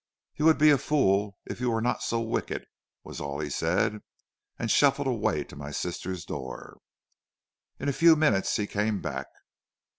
"'You would be a fool if you were not so wicked,' was all he said, and shuffled away to my sister's door. "In a few minutes he came back.